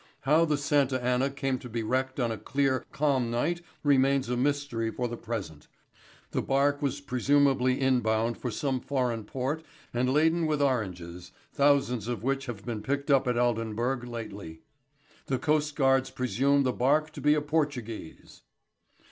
How the Santa Anna came to be wrecked on a clear, calm night remains a mystery for the present. The barque was presumedly inbound for some foreign port and laden with oranges, thousands of which have been picked up at Aldenburgh lately. The coastguards presume the barque to be a Portuguese.'